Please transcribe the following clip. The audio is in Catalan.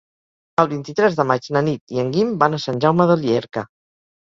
El vint-i-tres de maig na Nit i en Guim van a Sant Jaume de Llierca.